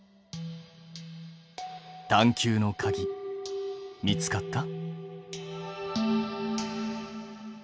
探究のかぎ見つかった？